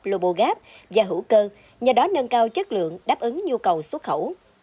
lobo gap và hữu cơ do đó nâng cao chất lượng đáp ứng nhu cầu xuất khẩu